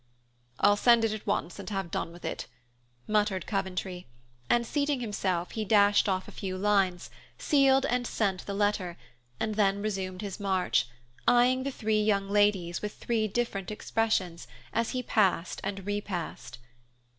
"I'll send it at once and have done with it," muttered Coventry and, seating himself, he dashed off a few lines, sealed and sent the letter, and then resumed his march, eyeing the three young ladies with three different expressions, as he passed and repassed.